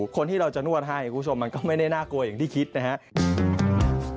คนที่เราจะนวดให้คุณผู้ชมมันก็ไม่ได้น่ากลัวอย่างที่คิดนะครับ